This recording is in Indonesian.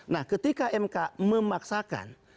nah ketika mk memaksakan